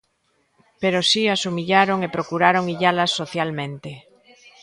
Pero si as humillaron e procuraron illalas socialmente.